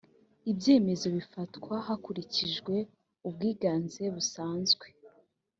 ibyemezo bifatwa hakurikijwe ubwiganze busanzwe